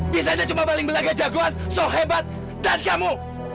bisanya cuma baling belaga jagoan soh hebat dan kamu